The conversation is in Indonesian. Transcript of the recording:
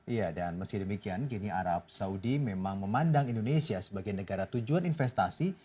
iya dan meski demikian kini arab saudi memang memandang indonesia sebagai negara tujuan investasi